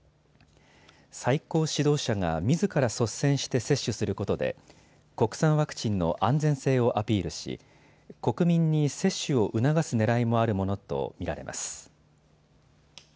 最高指導者がみずから率先して接種することで国産ワクチンの安全性をアピールし国民に接種を促すねらいもあるものと見られます。